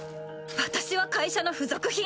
私は会社の付属品？